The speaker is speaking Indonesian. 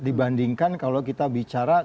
dibandingkan kalau kita bicara peristiwa berulang ulang